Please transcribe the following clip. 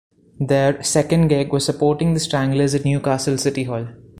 Their second gig was supporting The Stranglers at Newcastle City Hall.